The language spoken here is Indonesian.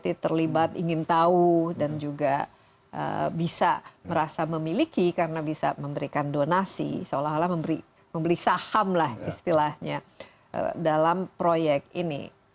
tidak terlibat ingin tahu dan juga bisa merasa memiliki karena bisa memberikan donasi seolah olah membeli saham lah istilahnya dalam proyek ini